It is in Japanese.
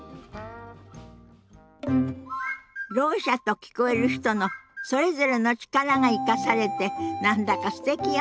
ろう者と聞こえる人のそれぞれの力が生かされて何だかすてきよね。